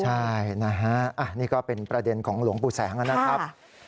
ใช่นะฮะนี่ก็เป็นประเด็นของหลวงปู่แสงนะครับ